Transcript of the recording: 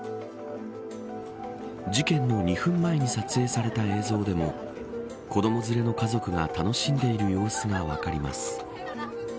事件の２分前に撮影された映像でも子ども連れの家族が楽しんでいる様子が分かります。